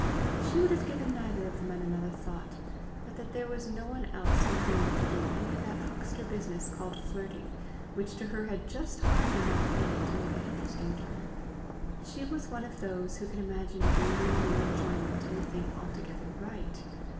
She would have given neither of tie men another thought, but that there was no one else with whom to do any of that huckster business called flirting, which to her had just harm enough in it to make it interesting to her. She was one of those who can imagine beauty nor enjoyment in a thing altogether right.